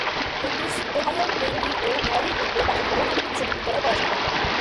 Henry's ওহাইওর প্লেইনভিল ও ম্যারিমন্টের প্রাথমিক ও মাধ্যমিক বিদ্যালয়ে পড়াশোনা করেন।